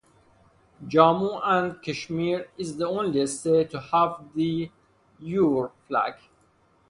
Jammu and Kashmir is the only state to have "de jure" flag.